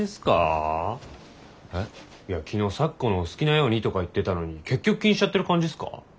いや昨日「咲子のお好きなように」とか言ってたのに結局気にしちゃってる感じっすか？